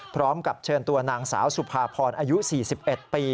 พร้อมกับเชิญตัวนางสาวสุภาพรอายุ๔๑ปี